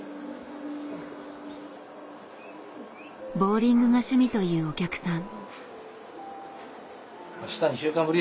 ボウリングが趣味というお客さん。